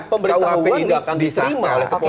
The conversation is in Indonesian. pemberitahuan tidak akan diserima